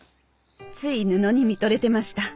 つい布に見とれてました。